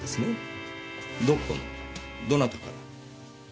どこのどなたから？